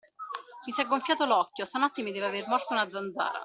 Mi si è gonfiato l'occhio, stanotte mi deve aver morso una zanzara.